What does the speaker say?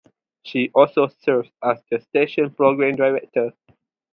She also served as the station's program director.